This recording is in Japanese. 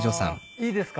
いいですか？